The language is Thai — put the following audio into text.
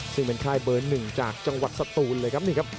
ซึ่งเป็นค่ายเบิ้ลหนึ่งจากจังหวัดสตูนเลยครับ